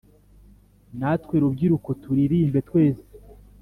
natwe rubyiruko turirimbe twese